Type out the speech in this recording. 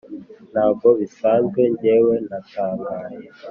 ntago bisanzwe njyewe natangaye